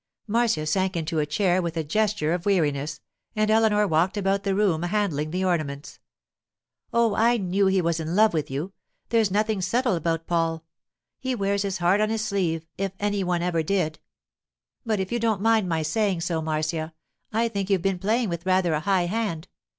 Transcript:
Marcia sank into a chair with a gesture of weariness, and Eleanor walked about the room handling the ornaments. 'Oh, I knew he was in love with you. There's nothing subtle about Paul. He wears his heart on his sleeve, if any one ever did. But if you don't mind my saying so, Marcia, I think you've been playing with rather a high hand.